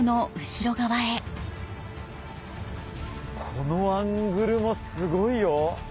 このアングルもすごいよ。